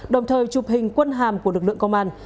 đồng thời chụp hình quân hàm của lực lượng công an